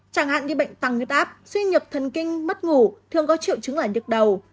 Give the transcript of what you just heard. chẳng hạn như bệnh tăng huyết áp suy nhập thần kinh mất ngủ thường có triệu chứng là nhức đầu